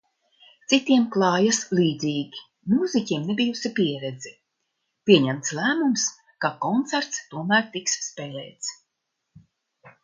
Citiem klājas līdzīgi. Mūziķiem nebijusi pieredze – pieņemts lēmums, ka koncerts tomēr tiks spēlēts.